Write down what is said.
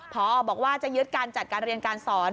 พอบอกว่าจะยึดการจัดการเรียนการสอน